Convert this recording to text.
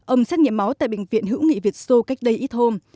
ông xét nghiệm máu tại bệnh viện hữu nghị việt sô cách đây ít hôm